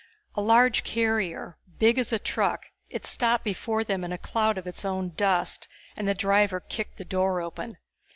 A large carrier, big as a truck, it stopped before them in a cloud of its own dust and the driver kicked the door open.